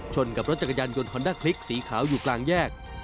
กับรถจักรยานยนต์ฮอนด้าคลิกสีขาวอยู่กลางแยก